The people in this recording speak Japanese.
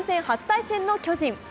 初対戦の巨人。